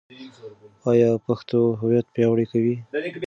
ایا پښتو هویت پیاوړی کوي؟